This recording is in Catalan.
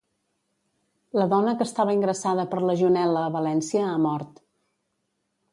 La dona que estava ingressada per legionel·la a València ha mort.